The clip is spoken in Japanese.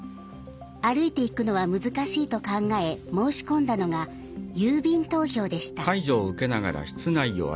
歩いて行くのは難しいと考え申し込んだのが郵便投票でした。